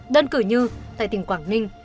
đơn cử như tại tỉnh quảng ninh